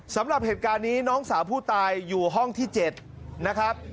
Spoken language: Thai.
สำหรับเหตุการณ์นี้น้องสาวผู้ตายอยู่ห้องที่๗นะครับ